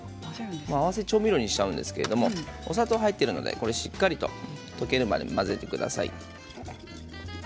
合わせ調味料にするんですけれどもお砂糖が入っているのでしっかり溶けるまで混ぜてください。